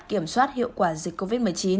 kiểm soát hiệu quả dịch covid một mươi chín